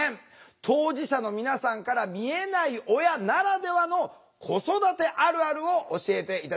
当事者の皆さんから見えない親ならではの子育てあるあるを教えて頂きたいと思います。